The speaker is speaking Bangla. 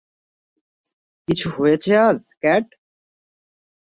কিছু হয়েছে আজ, ক্যাট?